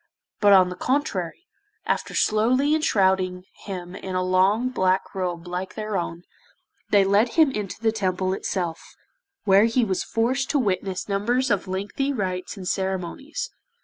But on the contrary, after slowly enshrouding him in a long black robe like their own, they led him into the Temple itself, where he was forced to witness numbers of lengthy rites and ceremonies.